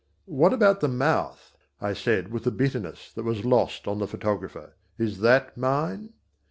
"What about the mouth?" I said with a bitterness that was lost on the photographer; "is that mine?"